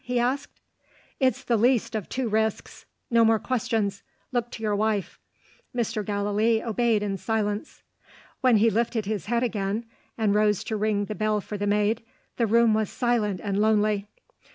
he asked. "It's the least of two risks. No more questions! Look to your wife." Mr. Gallilee obeyed in silence. When he lifted his head again, and rose to ring the bell for the maid, the room was silent and lonely.